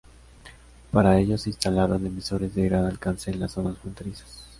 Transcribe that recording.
Para ello se instalaron emisores de gran alcance en las zonas fronterizas.